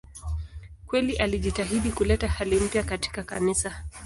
Kweli alijitahidi kuleta hali mpya katika Kanisa.